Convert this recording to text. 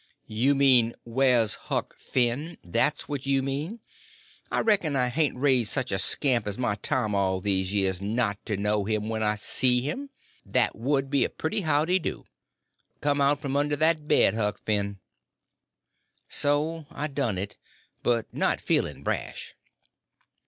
"You mean where's Huck Finn—that's what you mean! I reckon I hain't raised such a scamp as my Tom all these years not to know him when I see him. That would be a pretty howdy do. Come out from under that bed, Huck Finn." So I done it. But not feeling brash.